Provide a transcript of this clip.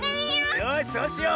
よしそうしよう！